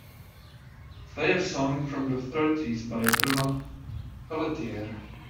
Play a song from the thirties by Bruno Pelletier